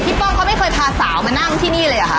ป้องเขาไม่เคยพาสาวมานั่งที่นี่เลยเหรอคะ